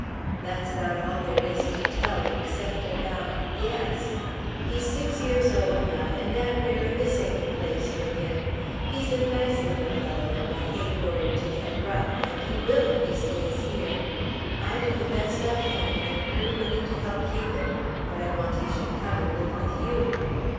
That's about all there is to tell except about Yes. He's six years old now and Aunt Mary this ain't a place for him. He's a nice little fellow and I hate for him to get rough and he will if he stays here. I'll do the best I can and earn money to help keep him but I want he should come and live with you...."